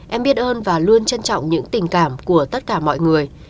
em biết ơn và luôn trân trọng những tình cảm của tất cả mọi người